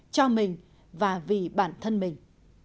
cho mình và vì bản thân mình